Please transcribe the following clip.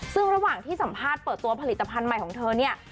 ซึ่งระหว่างที่สัมภาษณ์เปิดตัวผลิตภัณฑ์ใหม่ของเธอเนี่ย